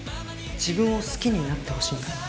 自分を好きになってほしいんだ。